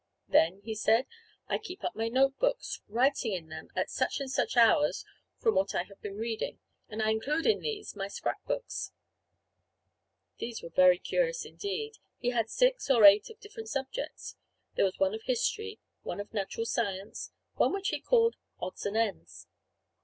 "Then," he said, "I keep up my note books, writing in them at such and such hours from what I have been reading; and I include in these my scrap books." These were very curious indeed. He had six or eight, of different subjects. There was one of History, one of Natural Science, one which he called "Odds and Ends."